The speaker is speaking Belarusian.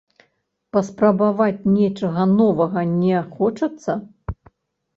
Паспрабаваць нечага новага не хочацца?